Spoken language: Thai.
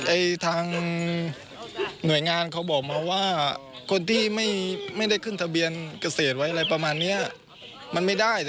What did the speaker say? ทางหน่วยงานเขาบอกมาว่าคนที่ไม่ได้ขึ้นทะเบียนเกษตรไว้อะไรประมาณนี้มันไม่ได้